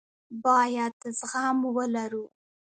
بايد زغم ولرو.